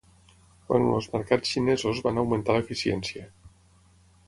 Quan els mercats xinesos van augmentar l'eficiència.